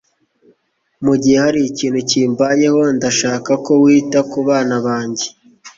Mugihe hari ikintu kimbayeho, ndashaka ko wita kubana banjye.